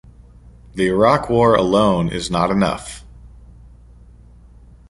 The Iraq war alone is not enough.